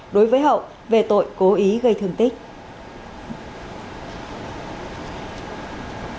đối với hậu về tội cố ý gây thương tích